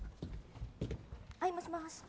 はい、もしもし。